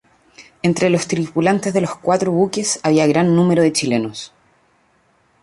Entre los tripulantes de los cuatro buques había gran número de chilenos.